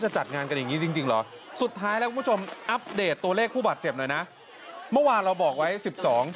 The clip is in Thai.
ใช่มันแตกมาหน้าเวที